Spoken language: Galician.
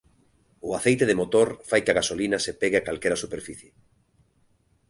O aceite de motor fai que a gasolina se pegue a calquera superficie.